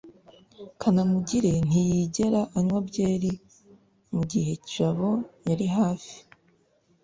kanamugire ntiyigera anywa byeri mugihe jabo ari hafi